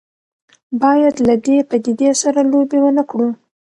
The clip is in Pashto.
باید له دې پدیدې سره لوبې ونه کړو.